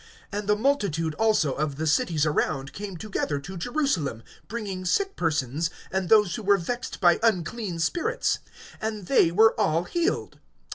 (16)And the multitude also of the cities around came together to Jerusalem, bringing sick persons, and those who were vexed by unclean spirits; and they were all healed.